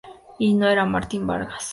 Y no era Martín Vargas.